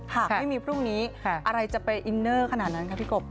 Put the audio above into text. หากไม่มีพรุ่งนี้อะไรจะไปอินเนอร์ขนาดนั้นคะพี่กบ